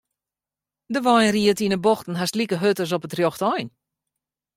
De wein ried yn 'e bochten hast like hurd as op it rjochte ein.